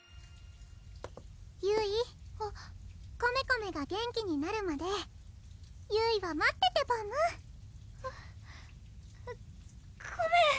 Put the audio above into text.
ゆいコメコメが元気になるまでゆいは待っててパムごめんでも